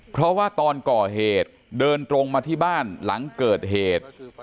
เพราะว่าตอนก่อเหตุเดินตรงมาที่บ้านหลังเกิดเหตุ